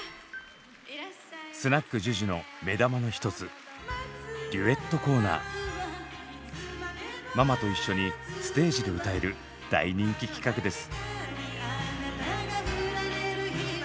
「スナックＪＵＪＵ」の目玉の一つママと一緒にステージで歌える大人気企画です。